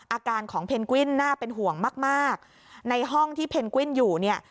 อาการของเพนกวิ้นน่าเป็นห่วงมากมากในห้องที่เพนกวินอยู่เนี่ย